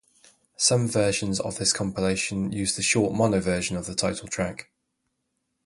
Some versions of this compilation use the short mono version of the title track.